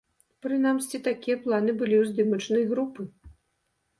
Прынамсі, такія планы былі ў здымачнай групы.